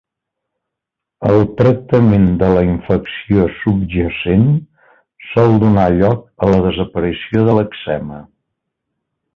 El tractament de la infecció subjacent sol donar lloc a la desaparició de l'èczema.